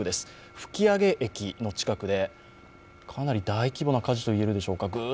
吹上駅の近くで、かなり大規模な火事といえるでしょうか。